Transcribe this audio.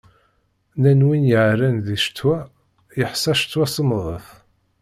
Nnan win yeεran di ccetwa, yeḥṣa ccetwa semmḍet.